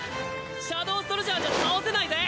シャドウソルジャーじゃ倒せないぜ。